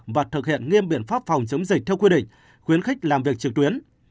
và thực hiện nghiêm biện pháp phòng chống dịch theo quy định khuyến khích làm việc trực tuyến